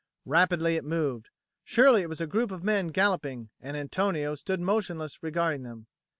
Rapidly it moved: surely it was a group of men galloping, and Antonio stood motionless regarding them.